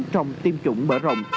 trong tiêm chủng mở rộng